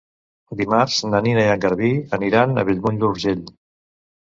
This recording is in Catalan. Dimarts na Nina i en Garbí aniran a Bellmunt d'Urgell.